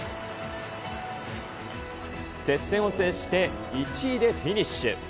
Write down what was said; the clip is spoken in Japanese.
接戦を制して、１位でフィニッシュ。